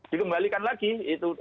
dikembalikan lagi itu